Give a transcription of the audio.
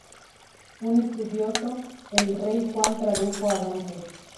Un estudioso, el rey Juan tradujo a Dante.